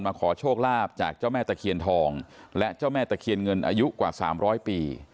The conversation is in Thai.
ขอโชคลาภจากเจ้าแม่ตะเคียนทองและเจ้าแม่ตะเคียนเงินอายุกว่า๓๐๐ปี